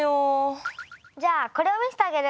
じゃあこれを見せてあげる。